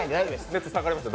熱下がりました？